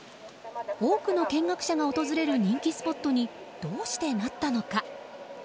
多くの見学者が訪れる人気スポットにどうしてなったのか。